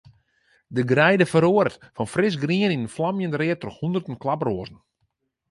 De greide feroaret fan frisgrien yn in flamjend read troch hûnderten klaproazen.